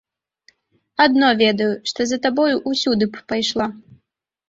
Адно ведаю, што за табою ўсюды б пайшла.